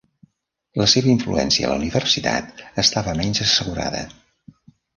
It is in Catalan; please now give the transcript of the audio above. La seva influència a la Universitat estava menys assegurada.